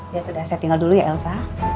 ya sudah saya tinggal dulu ya elsa